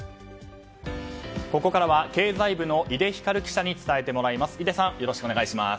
ここからは経済部の井出光記者に伝えてもらいます。